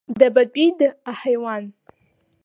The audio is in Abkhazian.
Дабатәида аҳаиуан?!